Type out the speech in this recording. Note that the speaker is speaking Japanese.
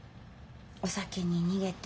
お酒に逃げて。